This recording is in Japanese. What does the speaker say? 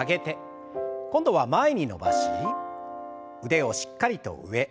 今度は前に伸ばし腕をしっかりと上。